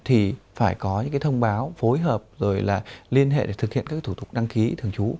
thì phải có những cái thông báo phối hợp rồi là liên hệ để thực hiện các thủ tục đăng ký thường trú